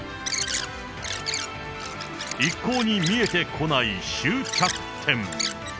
一向に見えてこない終着点。